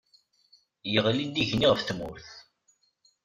Yeɣli-d igenni ɣef tmurt